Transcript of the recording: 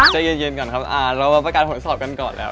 ใจเย็นก่อนครับเรามาประกันผลสอบกันก่อนแล้ว